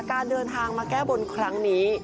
การเดินทางมาแก้บนครั้งนี้